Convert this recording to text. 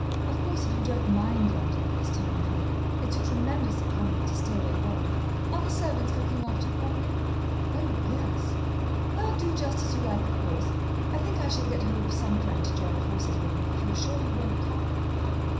Of course, if you don't mind London at this time of year, it's a tremendous economy to stay where you are.... Are the servants looking after you properly?" "Oh, yes." "Well, do just as you like, of course. I think I shall get hold of some friend to join forces with me, if you're sure you won't come...."